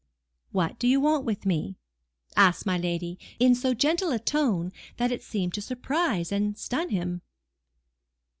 "What do you want with me?" asked my lady; in so gentle a tone that it seemed to surprise and stun him.